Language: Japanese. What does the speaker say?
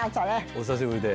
お久しぶりで。